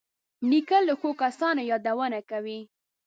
نیکه له ښو کسانو یادونه کوي.